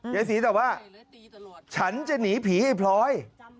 ยายสีตอบว่าฉันจะหนีผีให้พร้อย